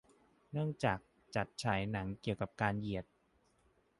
เนื่องจากจัดฉายหนังเกี่ยวกับการเหยียด